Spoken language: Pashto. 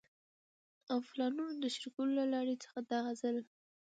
او پلانونو د شريکولو له لړۍ څخه دا ځل